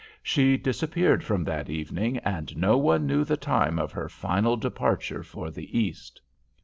She disappeared from that evening, and no one knew the time of her final departure for "the east."